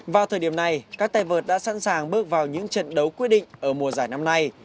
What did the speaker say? vào thời điểm này các tay vợt đã sẵn sàng bước vào những trận đấu quyết định ở mùa giải năm nay